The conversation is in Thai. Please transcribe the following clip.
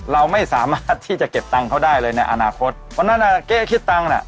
เราไม่สามารถที่จะเก็บตังค์เขาได้เลยในอนาคตเพราะฉะนั้นอ่ะเก้คิดตังค์น่ะ